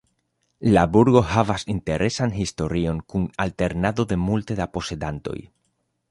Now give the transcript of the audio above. La burgo havas interesan historion kun alternado de multe da posedantoj.